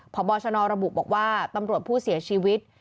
พบชนระบุบอกว่าตำรวจผู้เสียชีวิต